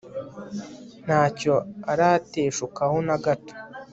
ntacyo arateshukaho na gato